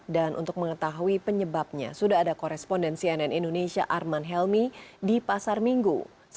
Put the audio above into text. dan untuk mengetahui penyebabnya sudah ada koresponden cnn indonesia arman helmi di pasar minggu